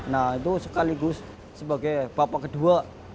nah itu sekaligus sebagai bapak kedua